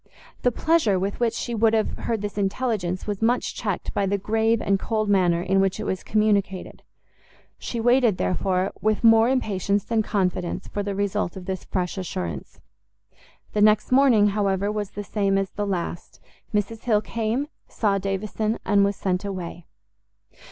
The pleasure with which she would have heard this intelligence was much checked by the grave and cold manner in which it was communicated: she waited, therefore, with more impatience than confidence for the result of this fresh assurance. The next morning, however, was the same as the last; Mrs Hill came, saw Davison, and was sent away.